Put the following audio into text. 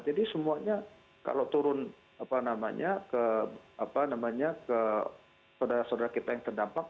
jadi semuanya kalau turun ke saudara saudara kita yang terdampak